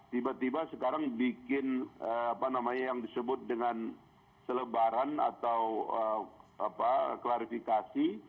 tiba tiba sekarang bikin apa namanya yang disebut dengan selebaran atau klarifikasi